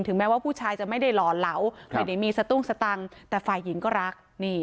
แม้ว่าผู้ชายจะไม่ได้หล่อเหลาไม่ได้มีสตุ้งสตังค์แต่ฝ่ายหญิงก็รัก